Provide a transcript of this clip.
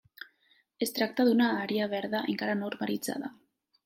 Es tracta d'una àrea verda encara no urbanitzada.